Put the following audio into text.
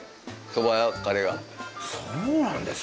そうなんですか。